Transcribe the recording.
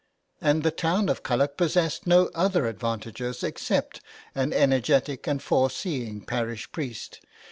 And the town of Culloch possessed no other advantages except an energetic and fore seeing parish priest.